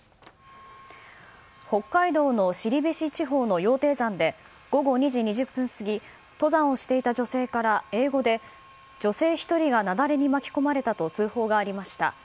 北海道の後志地方の羊蹄山で午後２時２０分過ぎ登山をしていた女性から英語で、女性１人が雪崩に巻き込まれたと通報がありました。